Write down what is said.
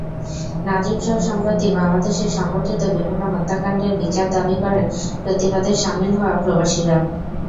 নাজিমসহ সম্প্রতি বাংলাদেশে সংঘটিত বিভিন্ন হত্যাকাণ্ডের বিচার দাবি করেন প্রতিবাদে শামিল হওয়া প্রবাসীরা।